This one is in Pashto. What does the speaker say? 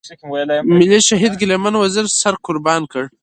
ملي شهيد ګيله من وزير سر قربان کړ.